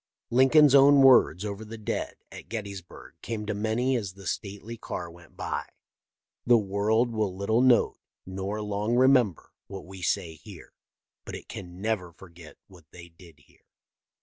Lincoln's own words over the dead at Gettysburg came to many as the stately car went by :" The world will little note nor long remember what we say here, but it can never forget what they did here."